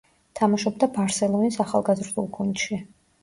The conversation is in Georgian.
თამაშობდა „ბარსელონის“ ახალგაზრდულ გუნდში.